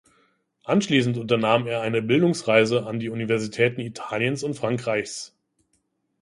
Anschließend unternahm er eine Bildungsreise an die Universitäten Italiens und Frankreichs.